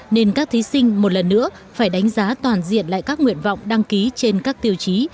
nên các thí sinh một lần nữa phải đánh giá toàn diện lại các nguyện vọng đăng ký trên các tiêu chí